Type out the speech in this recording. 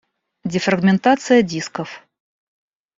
Дефрагментация дисков